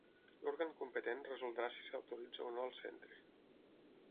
L'òrgan competent resoldrà si s'autoritza o no al centre.